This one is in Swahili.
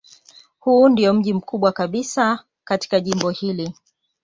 Huu ndiyo mji mkubwa kabisa katika jimbo hili.